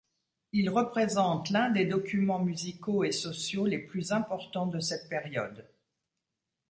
Ils représentent l'un des documents musicaux et sociaux les plus importants de cette période.